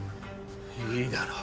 いいだろう。